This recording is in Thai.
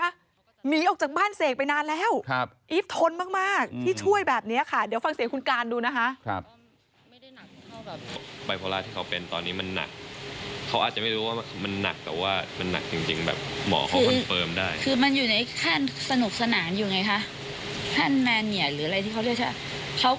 หมีออกจากบ้านเสกไปนานแล้วอีฟทนมากที่ช่วยแบบนี้ค่ะ